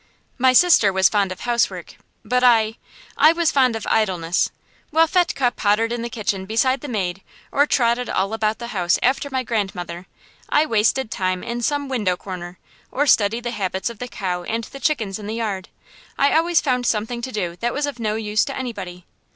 My sister was fond of housework, but I I was fond of idleness. While Fetchke pottered in the kitchen beside the maid or trotted all about the house after my grandmother, I wasted time in some window corner, or studied the habits of the cow and the chickens in the yard. I always found something to do that was of no use to anybody.